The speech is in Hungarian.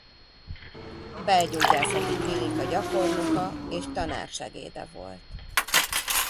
Belgyógyászati Klinika gyakornoka és tanársegéde volt.